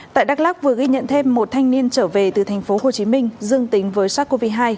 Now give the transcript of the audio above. tại đắk lắc vừa ghi nhận thêm một thanh niên trở về từ tp hcm dương tính với sars cov hai